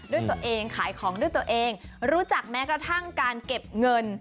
ด้วยตัวเองขายของด้วยตัวเองรู้จักแม้กระทั่งการเก็บเงิน